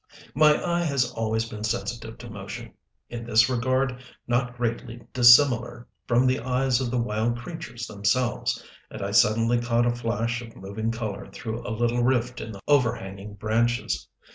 My eye has always been sensitive to motion in this regard not greatly dissimilar from the eyes of the wild creatures themselves and I suddenly caught a flash of moving color through a little rift in the overhanging branches.